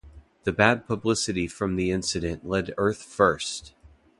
The bad publicity from the incident led Earth First!